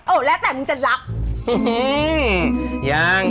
โอ้และแต่มึงจะลับ